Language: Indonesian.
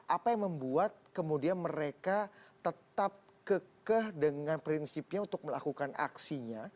apa yang membuat kemudian mereka tetap kekeh dengan prinsipnya untuk melakukan aksinya